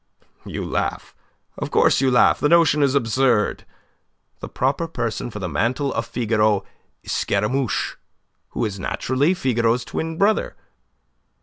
You laugh. Of course you laugh. The notion is absurd. The proper person for the mantle of Figaro is Scaramouche, who is naturally Figaro's twin brother."